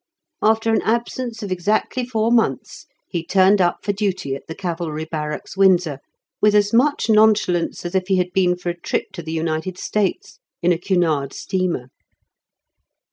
After an absence of exactly four months he turned up for duty at the Cavalry Barracks, Windsor, with as much nonchalance as if he had been for a trip to the United States in a Cunard steamer.